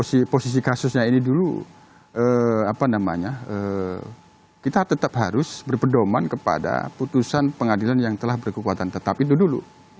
si posisi kasusnya ini dulu apa namanya kita tetap harus berpedoman kepada putusan pengadilan yang telah berkekuatan tetap itu dulu